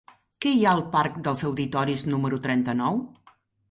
Què hi ha al parc dels Auditoris número trenta-nou?